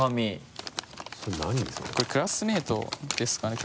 これクラスメートですかね。